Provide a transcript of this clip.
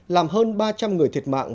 làm hơn ba trăm linh người thiệt mạng